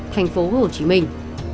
thành phố hồ chí minh